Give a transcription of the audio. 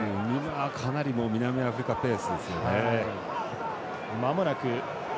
かなり南アフリカペースですよね。